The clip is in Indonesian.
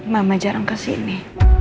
mama jarang kesini